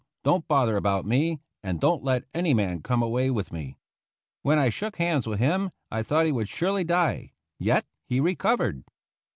Don't bother about me, and don't let any man come away with me." When I shook hands with him, I thought he would surely die; yet he recov ered.